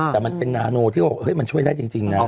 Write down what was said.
แต่มันเป็นนาโนที่ว่ามันช่วยได้จริงนะ